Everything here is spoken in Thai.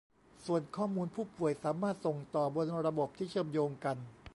ส่วนข้อมูลผู้ป่วยสามารถส่งต่อบนระบบที่เชื่อมโยงกัน